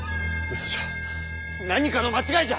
嘘じゃ何かの間違いじゃ！